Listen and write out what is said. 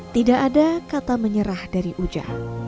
tidak ada kata menyerah dari uja